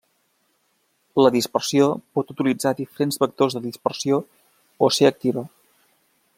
La dispersió pot utilitzar diferents vectors de dispersió o ser activa.